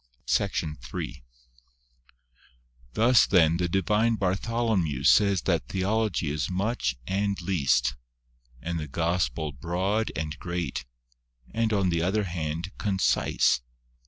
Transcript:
f SECTION III. Thus, then, the divine Bartholomew says that Theo logy is much and least, and the Gospel broad and great, and on the other hand concise.